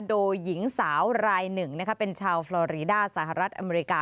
โดยหญิงสาวรายหนึ่งเป็นชาวฟลอรีด้าสหรัฐอเมริกา